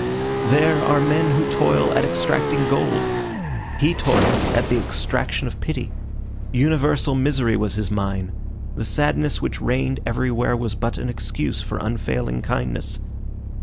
There are men who toil at extracting gold; he toiled at the extraction of pity. Universal misery was his mine. The sadness which reigned everywhere was but an excuse for unfailing kindness.